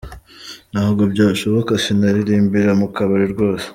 Ntabwo byashoboka, sinaririmbira mu kabari rwose.